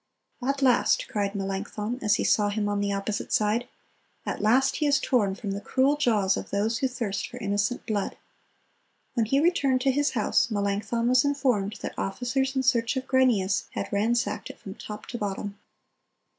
'At last,' cried Melanchthon, as he saw him on the opposite side, 'at last he is torn from the cruel jaws of those who thirst for innocent blood.' When he returned to his house, Melanchthon was informed that officers in search of Grynæus had ransacked it from top to bottom."